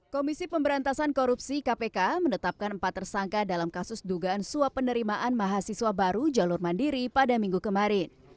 komisi pemberantasan korupsi kpk menetapkan empat tersangka dalam kasus dugaan suap penerimaan mahasiswa baru jalur mandiri pada minggu kemarin